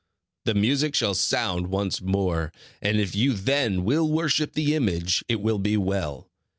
The music shall sound once more, and if you then will worship the image, it will be well.